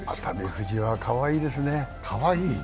富士はかわいいですね。